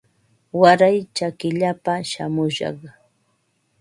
Waray chakillapa shamushaq